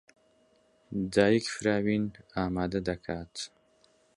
دایک فراوین ئامادە دەکات.